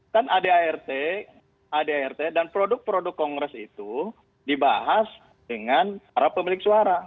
kan ada art ada art dan produk produk kongres itu dibahas dengan para pemilik suara